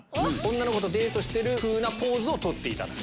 女の子とデートしてる風なポーズを取っていただく。